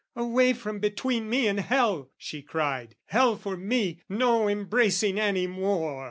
"Away from between me and hell!" she cried: "Hell for me, no embracing any more!